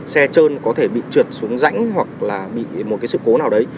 xe trơn có thể bị trượt xuống rãnh hoặc là bị một cái sự cố nào đấy